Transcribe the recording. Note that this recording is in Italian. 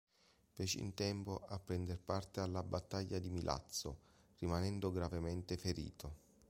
Fece in tempo a prender parte alla battaglia di Milazzo, rimanendo gravemente ferito.